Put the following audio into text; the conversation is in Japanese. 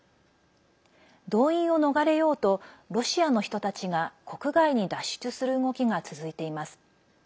動員を逃れようとロシアの人たちが国外に脱出する動きが続いています。